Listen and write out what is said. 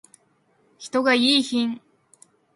人がいーひん